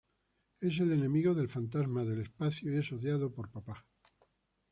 Es el enemigo del Fantasma del Espacio y es odiado por Papá.